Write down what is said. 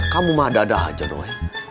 kamu mah dada aja doi